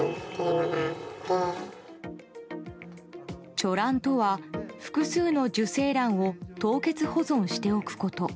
貯卵とは複数の受精卵を凍結保存しておくこと。